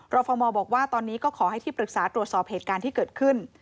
ฟมบอกว่าตอนนี้ก็ขอให้ที่ปรึกษาตรวจสอบเหตุการณ์ที่เกิดขึ้น